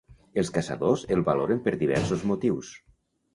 Els caçadors el valoren per diversos motius.